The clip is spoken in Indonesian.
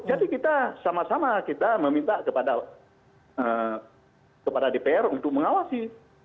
jadi kita sama sama kita meminta kepada dpr untuk mengawasi